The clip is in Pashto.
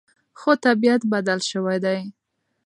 خو طبیعت بدل شوی دی.